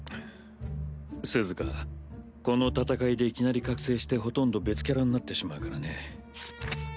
スズカこの戦いでいきなり覚醒してほとんど別キャラになってしまうからね。